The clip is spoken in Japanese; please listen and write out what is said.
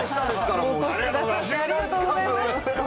ありがとうございます。